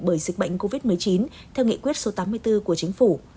bởi dịch bệnh covid một mươi chín theo nghị quyết số tám mươi bốn của chính phủ